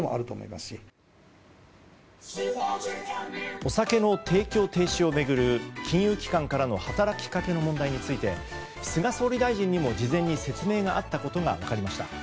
お酒の提供停止を巡る金融機関からの働きかけの問題について菅総理大臣にも事前に説明があったことが分かりました。